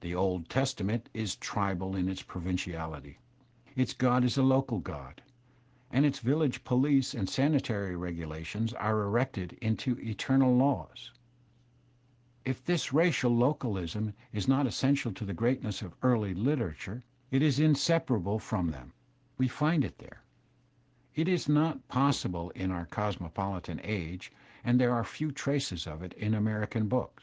The Old Testament is tribal in its provinciality; its god is a local god, and its village police and sanitary regulations are CTected into eternal laws. If this racial localism is not essential to the greatness of early literatures, it is inseparable Digitized by Google 8 THE SPIRIT OP AMERICAN LITERATURE from them; we find it there. It is not posi^ble in our co sr= ^ \mopolitan age and there are few traces of it in American books.